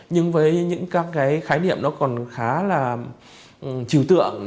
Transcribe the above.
nhưng với những các cái khái niệm nó còn khá là chiều tượng